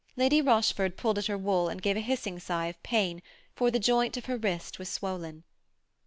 Lady Rochford pulled at her wool and gave a hissing sigh of pain, for the joint of her wrist was swollen.